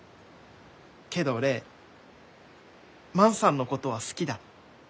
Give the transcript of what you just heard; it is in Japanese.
けど俺万さんのことは好きだ。